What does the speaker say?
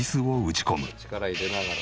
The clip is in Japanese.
力入れながら。